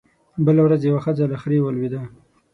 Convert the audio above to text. بله ورځ يوه ښځه له خرې ولوېده